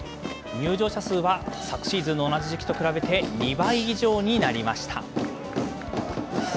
入場者数は昨シーズンの同じ時期と比べて２倍以上になりました。